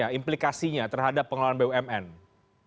kalau memang tadi sudah kita banyak bahas tidak banyak yang berubah dari pp ini